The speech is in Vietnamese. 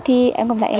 thì em cảm thấy